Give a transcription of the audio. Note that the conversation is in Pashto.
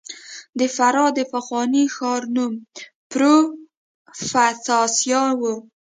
د فراه د پخواني ښار نوم پروفتاسیا و